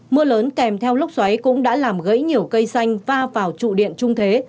mưa lớn kèm theo lốc xoáy cũng đã làm gãy nhiều cây xanh va vào trụ điện trung thế